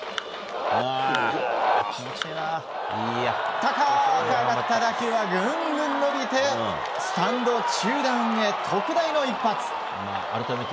高く上がった打球はぐんぐん伸びてスタンド中段へ特大の一発。